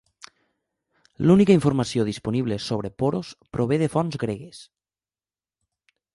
L'única informació disponible sobre Poros prové de fonts gregues.